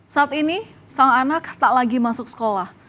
saat ini sang anak tak lagi masuk sekolah